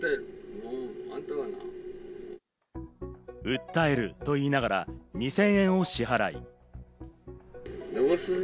訴えると言いながら２０００円を支払い。